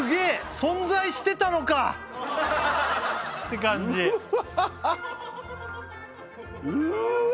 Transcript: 存在してたのかて感じうわ